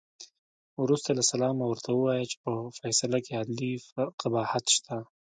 وروسته له سلامه ورته ووایه چې په فیصله کې عدلي قباحت شته.